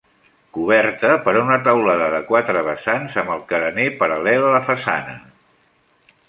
Coberta per una teulada de quatre vessants amb el carener paral·lela a la façana.